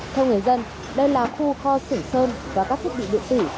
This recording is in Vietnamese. theo người dân đây là khu kho sửa sơn và các thiết bị lựa tử